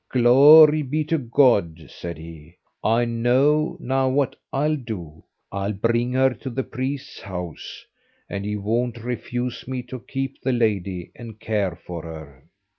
"Glory be to God," said he, "I know now what I'll do; I'll bring her to the priest's house, and he won't refuse me to keep the lady and care for her."